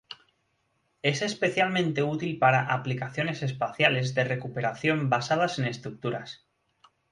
Es especialmente útil para aplicaciones espaciales de recuperación basadas en estructuras.